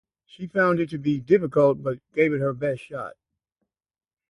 She found it to be difficult but gave it her "best shot".